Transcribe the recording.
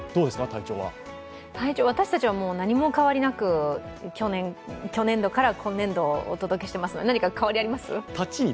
体調、私たちは何も変わりなく去年度から今年度お伝えしていますが何か変わりあります？